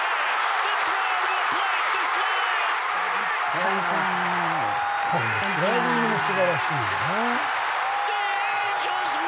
このスライディングも素晴らしいよな。